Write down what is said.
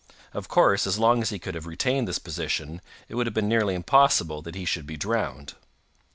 Of course, as long as he could have retained this position, it would have been nearly impossible that he should be drowned.